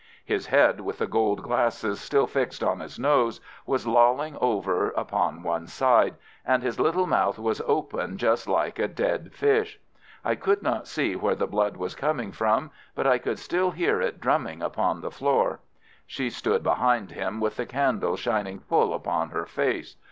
His head, with the gold glasses still fixed on his nose, was lolling over upon one side, and his little mouth was open just like a dead fish. I could not see where the blood was coming from, but I could still hear it drumming upon the floor. She stood behind him with the candle shining full upon her face.